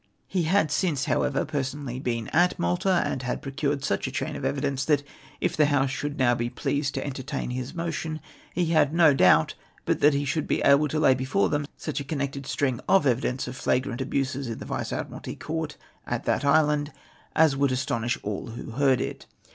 He had since, how ever, personally been at Malta, and had procured such a chain of evidence, that if the House should now be pleased to entertain his motion, he had no doubt but he should be able to lay before them such a connected string of evidence of flagrant abuses in the Vice Admiralty Court at that island, as would astonish all who heard it.